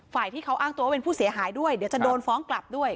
ฝ่ายที่เขาอ้างตัวว่าเป็นผู้เสียหายด้วยเดี๋ยวจะโดนฟ้องกลับด้วย